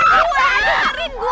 kau ngejarin gue